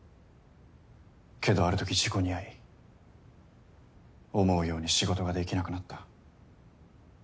けどあるとき事故に遭い思うように仕事ができなくなった。